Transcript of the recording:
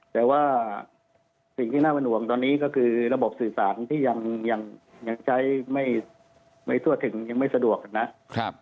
แต่ว่าสิ่งที่น่าเป็นห่วงตอนนี้ก็คือระบบสื่อสารที่ยังใช้ไม่ทั่วถึงยังไม่สะดวกนะครับ